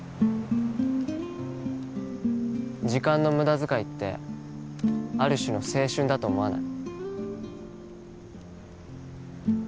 時間の無駄遣いってある種の青春だと思わない？